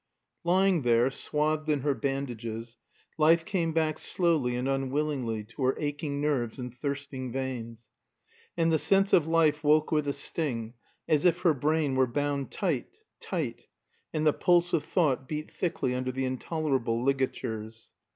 Lying there, swathed in her bandages, life came back slowly and unwillingly to her aching nerves and thirsting veins; and the sense of life woke with a sting, as if her brain were bound tight, tight, and the pulse of thought beat thickly under the intolerable ligatures.